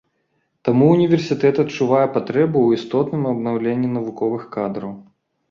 Таму універсітэт адчувае патрэбу ў істотным абнаўленні навуковых кадраў.